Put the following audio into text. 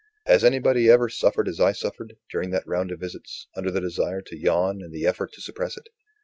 Has anybody ever suffered as I suffered, during that round of visits, under the desire to yawn and the effort to suppress it?